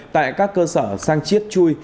tại các cơ sở sang chiết chui